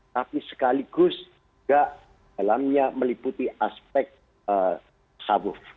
tapi sekaligus tidak dalamnya meliputi aspek tasawuf